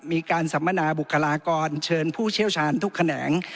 สัมมนาบุคลากรเชิญผู้เชี่ยวชาญทุกแขนง